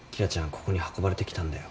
ここに運ばれてきたんだよ。